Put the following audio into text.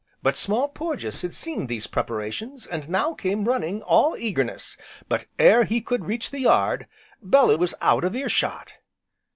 But Small Porges had seen these preparations, and now came running all eagerness, but ere he could reach the yard, Bellew was out of ear shot.